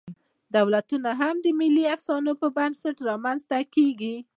دولتونه هم د ملي افسانو پر بنسټ رامنځ ته کېږي.